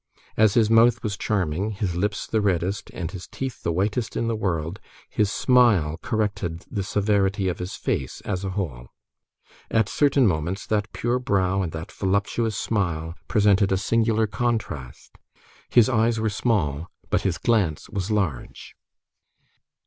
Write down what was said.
As his mouth was charming, his lips the reddest, and his teeth the whitest in the world, his smile corrected the severity of his face, as a whole. At certain moments, that pure brow and that voluptuous smile presented a singular contrast. His eyes were small, but his glance was large.